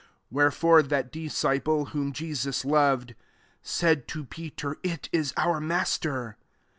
7 Wherefore that disci ple whom Jesus loved said to Peter, "It is our Master."